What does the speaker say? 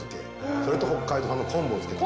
それと北海道産の昆布をつけて。